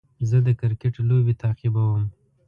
زه د کرکټ لوبې تعقیبوم.